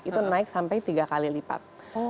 itu naik sampai tiga kali lipat